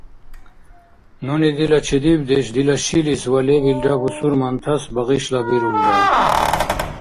Нуни дила чедибдеш дила шилис ва лебилра бусурмантас багъишлабирулра.